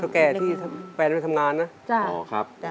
ทั้งแก่ที่แฟนทำงานนะ